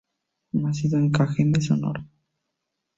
Nacido en Cajeme, Sonora.